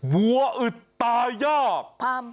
วัวอึดตายอก